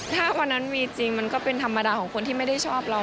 ถ้าวันนั้นมีจริงมันก็เป็นธรรมดาของคนที่ไม่ได้ชอบเรา